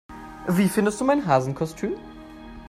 Wie findest du mein Hasenkostüm?